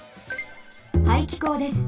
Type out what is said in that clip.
排気口です。